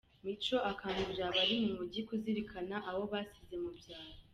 Mico akangurira abari mu mijyi kuzirikana abo basize mu byaro